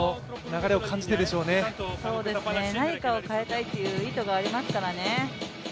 何かを変えたいという意図がありますからね。